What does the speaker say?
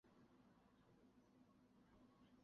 堪察加彼得巴夫洛夫斯克。